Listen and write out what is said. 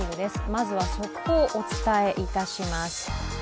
まずは速報をお伝えいたします。